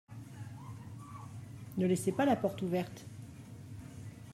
Ne laissez pas la porte ouverte.